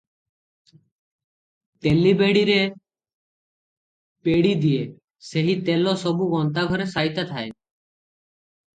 ତେଲି ବେଠିରେ ପେଡ଼ିଦିଏ, ସେହି ତେଲ ସବୁ ଗନ୍ତାଘରେ ସାଇତା ଥାଏ ।